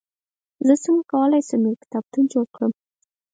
زه څنګه کولای سم، یو کتابتون جوړ کړم؟